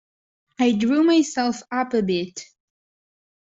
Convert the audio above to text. I drew myself up a bit.